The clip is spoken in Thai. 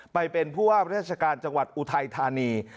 ไปเป็นผู้ว่าราชการจังหวัดอุทัยธานี